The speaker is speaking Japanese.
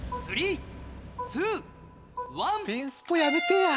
ピンスポやめてや。